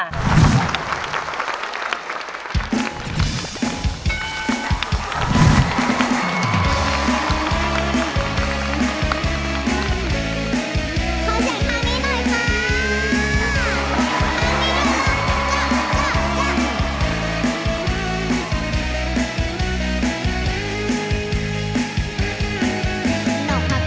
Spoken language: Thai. ค่อยเช็คมานี่หน่อยคะ